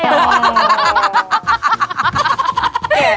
แก่แล้วทำอะไรก็ได้